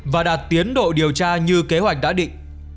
và đạt tiến độ điều tra như kế hoạch đã định